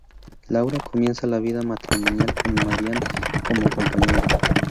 Laura comienza la vida matrimonial, con Marian como compañera.